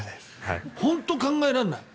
本当に考えられない。